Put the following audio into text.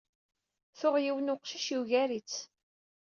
Tuɣ yiwen n weqcic yugar-itt.